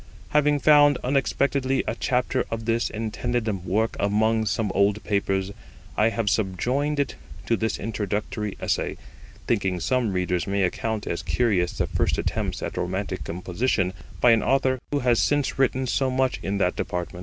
Having found unexpectedly a chapter of this intended work among some old papers, I have subjoined it to this introductory essay, thinking some readers may account as curious the first attempts at romantic composition by an author who has since written so much in that department.